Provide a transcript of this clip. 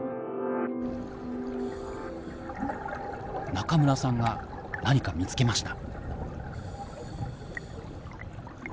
中村さんが何か見つけました。